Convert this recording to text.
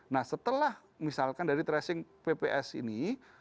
nah setelah misalkan dari tracing pps ini